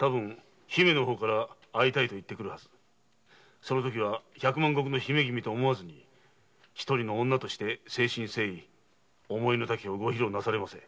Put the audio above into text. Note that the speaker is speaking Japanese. そのときは百万石の姫君と思わず一人の女として誠心誠意思いのたけをご披露なされませ。